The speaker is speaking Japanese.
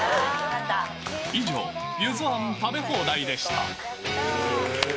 以上、ゆず庵食べ放題でした。